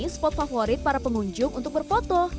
ini adalah favorit para pengunjung untuk berfoto